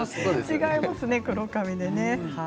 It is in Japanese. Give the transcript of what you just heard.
違いますね、黒髪で。